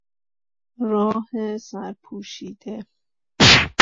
راه سر پوشیده